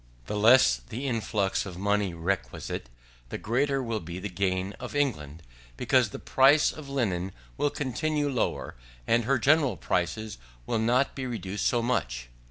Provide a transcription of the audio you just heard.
The less the efflux of money requisite, the greater will be the gain of England; because the price of linen will continue lower, and her general prices will not be reduced so much.